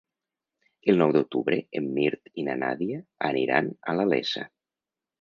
El nou d'octubre en Mirt i na Nàdia aniran a la Iessa.